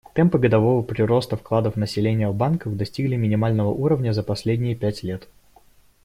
Темпы годового прироста вкладов населения в банках достигли минимального уровня за последние пять лет.